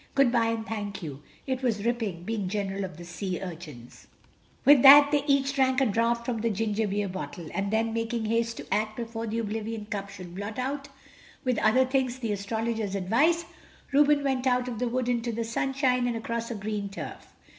Good bye, and thank you. It was ripping being General of the Sea Urchins." With that they drank each a draught from the ginger beer bottle, and then, making haste to act before the oblivion cup should blot out with other things the Astrologer's advice, Reuben went out of the wood into the sunshine and across a green turf.